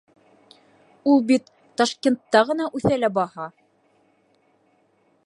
Ул бит Ташкентта ғына үҫә лә баһа!